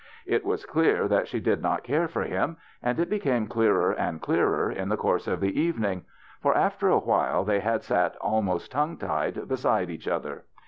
It was clear that she did not care for him, and it be came clearer and clearer in the course of the evening ; for after a while they had sat al most tongue tied beside each other.